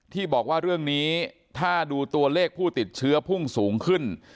ที่บอกว่าเรื่องนี้ถ้าดูตัวเลขผู้ติดเชื้อพุ่งสูงขึ้น